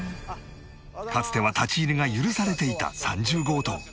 かつては立ち入りが許されていた３０号棟